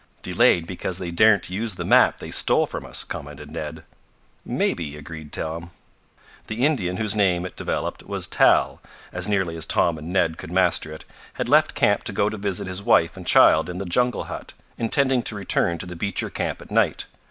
"Delayed because they daren't use the map they stole from us," commented Ned. "Maybe," agreed Tom. The Indian, whose name, it developed, was Tal, as nearly as Tom and Ned could master it, had left camp to go to visit his wife and child in the jungle hut, intending to return to the Beecher camp at night.